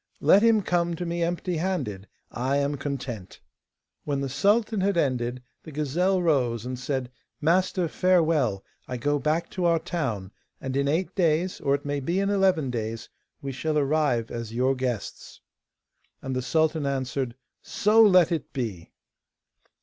Let him come to me empty handed, I am content.' When the sultan had ended, the gazelle rose, and said: 'Master, farewell; I go back to our town, and in eight days, or it may be in eleven days, we shall arrive as your guests.' And the sultan answered: 'So let it be.